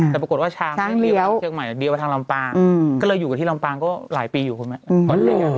แต่ปรากฏว่าช้างเลี้ยวทางเชียงใหม่เลี้ยวทางลำปางก็เลยอยู่กับที่ลำปางก็หลายปีอยู่คือไหม